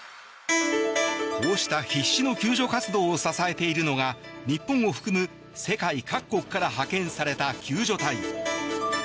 こうした必死の救助活動を支えているのが日本を含む世界各国から派遣された救助隊。